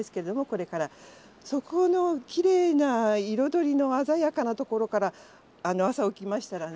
そこのきれいな彩りの鮮やかなところから朝起きましたらね